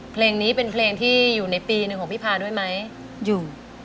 เพลงนี้เป็นเพลงที่อยู่ในปีหนึ่งของพี่พาด้วยไหมอยู่